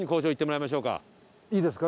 いいですか？